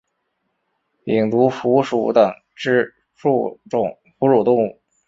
胼足蝠属等之数种哺乳动物。